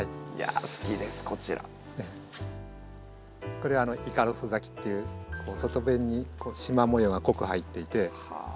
これはイカロス咲きという外弁に縞模様が濃く入っていて。